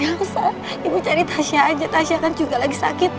aku salah ibu cari tasya aja tasya kan juga lagi sakit